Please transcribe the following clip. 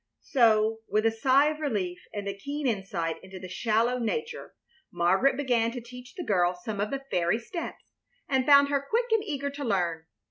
So, with a sigh of relief, and a keen insight into the shallow nature, Margaret began to teach the girl some of the fairy steps, and found her quick and eager to learn.